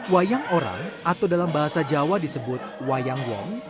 wayang orang atau dalam bahasa jawa disebut wayang wong